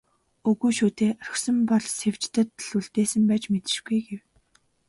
"Үгүй шүү дээ, орхисон бол Сэвжидэд л үлдээсэн байж мэдэшгүй" гэв.